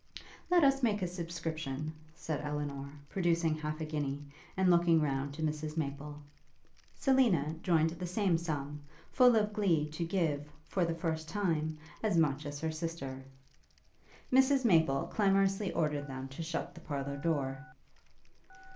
'Let us make a subscription,' said Elinor, producing half a guinea, and looking round to Mrs Maple. Selina joined the same sum, full of glee to give, for the first time, as much as her sister. Mrs Maple clamorously ordered them to shut the parlour door.